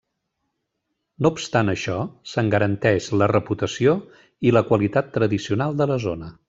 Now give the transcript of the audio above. No obstant això, se'n garanteix la reputació i la qualitat tradicional de la zona.